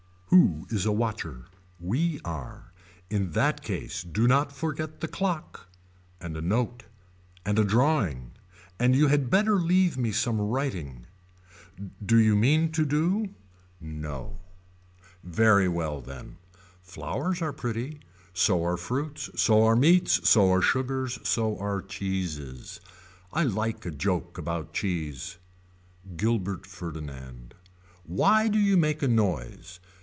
Who is a watcher. We are. In that case do not forget the clock. And a note. And a drawing. And you had better leave me some writing. Do you mean to do. No. Very well then. Flowers are pretty. So are fruits. So are meats. So are sugars. So are cheeses. I like a joke about cheese. Gilbert Ferdinand. Why do you make a noise.